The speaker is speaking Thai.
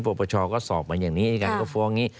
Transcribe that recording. ปปชก็สอบมาอย่างนี้อายการก็ฟ้องอย่างนี้